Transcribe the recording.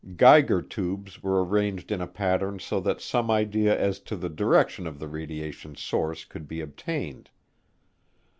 Geiger tubes were arranged in a pattern so that some idea as to the direction of the radiation source could be obtained.